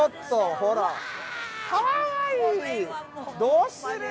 どうする？